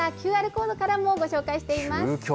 ＱＲコードからもご紹介していま究極。